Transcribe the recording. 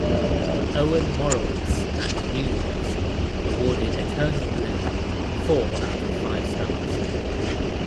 Owen Morawitz at "New Noise" awarded "Eternal Blue" four out of five stars.